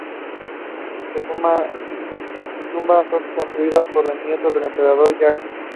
Su tumba fue construida por su nieto, el emperador Jahangir.